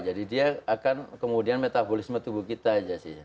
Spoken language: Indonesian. jadi dia akan kemudian metabolisme tubuh kita aja sih